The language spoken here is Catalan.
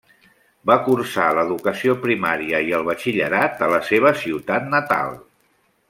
Va cursar l'educació primària i el batxillerat a la seva ciutat natal.